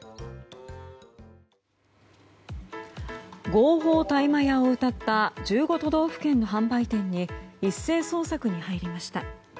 合法大麻屋をうたった１５都道府県の販売店に一斉捜索に入りました。